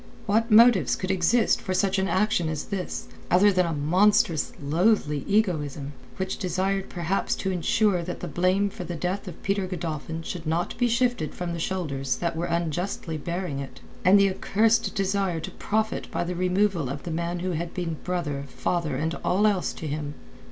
What motives could exist for such an action as this, other than a monstrous, a loathly egoism which desired perhaps to ensure that the blame for the death of Peter Godolphin should not be shifted from the shoulders that were unjustly bearing it, and the accursed desire to profit by the removal of the man who had been brother, father and all else to him?